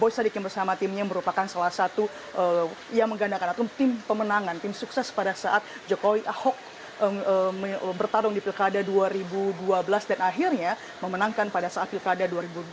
boy sadikin bersama timnya merupakan salah satu yang menggandakan atau tim pemenangan tim sukses pada saat ahok bertarung di pilkada dua ribu dua belas dan akhirnya memenangkan pada saat pilkada dua ribu dua puluh